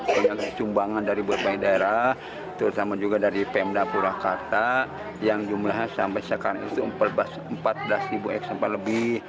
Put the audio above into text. jumlah pembaca dari berbagai daerah terutama juga dari pemda purwakarta yang jumlahnya sampai sekarang itu empat belas eksempel lebih